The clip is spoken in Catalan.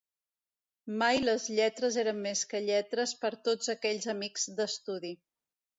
Mai les lletres eren més que lletres per tots aquells amics d'estudi